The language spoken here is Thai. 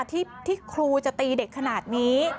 ที่ครูจะตีเด็กขนาดนี้